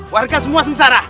warga semua sengsara